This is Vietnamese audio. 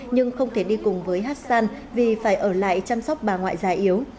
nhưng không thể đi cùng với hassan vì phải ở lại chăm sóc bà ngoại già yếu